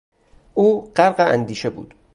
او غرق اندیشه بود.